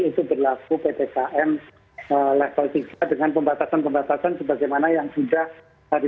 itu berlaku ppkm level tiga dengan pembatasan pembatasan sebagaimana yang sudah tadi